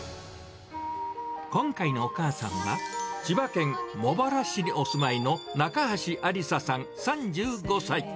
今回のお母さんは、千葉県茂原市にお住まいの中橋ありささん３５歳。